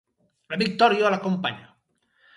La victòria l’acompanya.